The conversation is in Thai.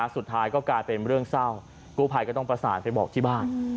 สุดท้ายก็กลายเป็นเรื่องเศร้ากู้ภัยก็ต้องประสานไปบอกที่บ้าน